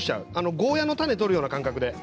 ゴーヤーの種を取るような感覚で。